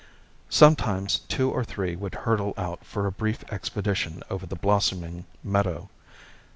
Sometimes two or three would hurtle out for a brief expedition over the blossoming meadow.